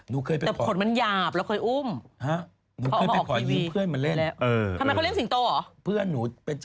แต่ขนมันหยาบแล้วเคยอุ้ม